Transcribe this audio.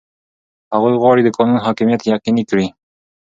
هغه غواړي د قانون حاکمیت یقیني کړي.